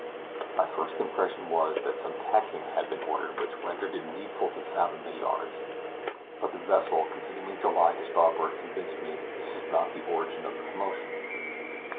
My first impression was, that some tacking had been ordered which rendered it needful to fathom the yards; but the vessel continuing to lie to starboard convinced me that this was not the origin of the commotion.